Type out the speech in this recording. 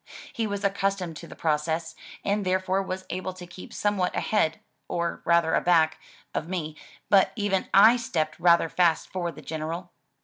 He was accustomed to the process, and therefore was able to keep somewhat ahead (or rather aback) of me, but even / stepped rather fast for the General.